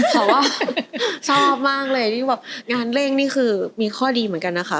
แต่ว่าชอบมากเลยที่แบบงานเร่งนี่คือมีข้อดีเหมือนกันนะคะ